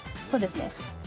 そうですね。